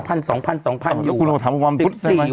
แล้วคุณต้องถามวันพฤษใช่ไหม